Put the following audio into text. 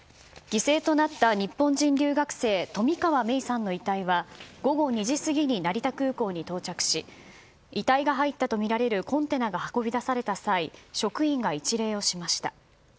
犠牲となった日本人留学生冨川芽生さんの遺体は午後２時過ぎに成田空港に到着し遺体が入ったとみられるコンテナが運び出された際職員が一礼をしました。